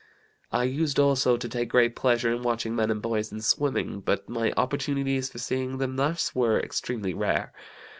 "I used, also, to take great pleasure in watching men and boys in swimming, but my opportunities for seeing them thus were extremely rare.